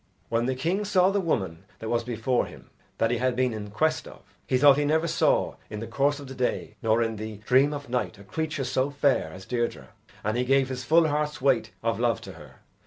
When the king saw the woman that was before him that he had been in quest of, he thought he never saw in the course of the day nor in the dream of night a creature so fair as Deirdre and he gave his full heart's weight of love to her.